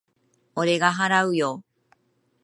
俺が払うよ。